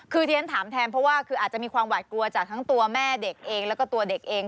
คือที่ฉันถามแทนเพราะว่าคืออาจจะมีความหวาดกลัวจากทั้งตัวแม่เด็กเองแล้วก็ตัวเด็กเอง